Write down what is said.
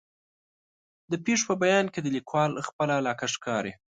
د پېښو په بیان کې د لیکوال خپله علاقه ښکاري.